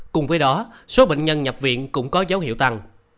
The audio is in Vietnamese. cùng với đó số bệnh nhân nhập viện cũng có dấu hiệu tăng